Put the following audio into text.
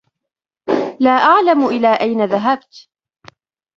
لا أعلم إلى أين ذهبت.